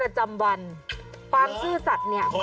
โอ๊ยมันก็ถูกแล้วนี่